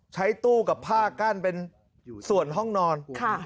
ใช้ตู้กับผ้ากั้นเป็นส่วนห้องนอน